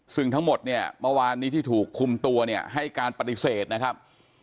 ซึ่งทั้งหมดเนี่ยเมื่อวานนี้ที่ถูกคุมตัวเนี่ยให้การปฏิเสธนะครับ